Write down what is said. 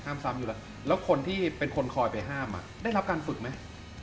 ซ้ำอยู่แล้วแล้วคนที่เป็นคนคอยไปห้ามได้รับการฝึกไหม